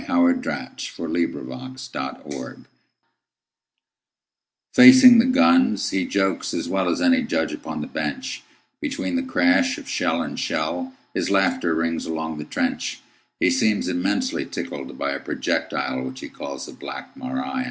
Owen Seaman Thomas of the Light Heart FACING the guns, he jokes as wellAs any Judge upon the Bench; Between the crash of shell and shellHis laughter rings along the trench; He seems immensely tickled by aProjectile which he calls a "Black Maria."